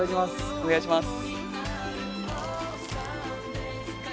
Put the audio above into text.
お願いします。